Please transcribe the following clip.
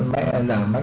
thì bệnh viện cà mau